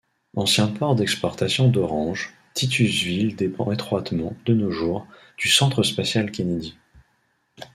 Ancien port d'exportation d'oranges, Titusville dépend étroitement, de nos jours, du Centre spatial Kennedy.